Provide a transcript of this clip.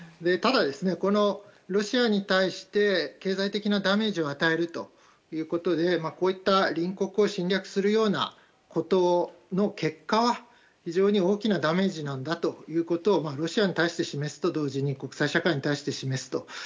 ただロシアに対して経済的なダメージを与えるということでこういった隣国を侵略するようなことの結果は非常に大きなダメージなんだということをロシアに対して示すと同時に国際社会に示すと。